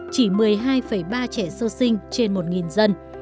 chỉ một mươi hai ba trẻ sơ sinh trên một dân